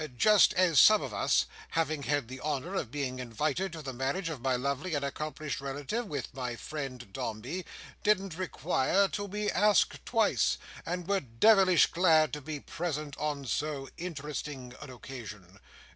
Just as some of us, having had the honour of being invited to the marriage of my lovely and accomplished relative with my friend Dombey, didn't require to be asked twice, and were devilish glad to be present on so interesting an occasion.